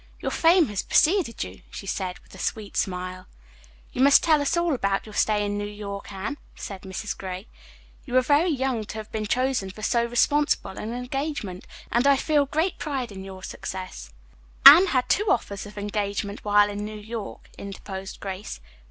"Your fame has preceded you," she said with a sweet smile. "You must tell us all about your stay in New York, Anne," said Mrs. Gray. "You are very young to have been chosen for so responsible an engagement, and I feel great pride in your success." "Anne had two offers of engagements while in New York," interposed Grace.